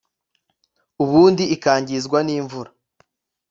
ubundi ikangizwa n’imvura